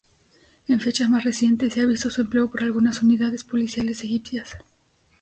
En fechas más recientes, se ha visto su empleo por algunas unidades policiales egipcias.